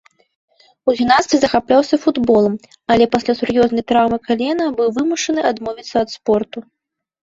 У юнацтве захапляўся футболам, але пасля сур'ёзнай траўмы калена быў вымушаны адмовіцца ад спорту.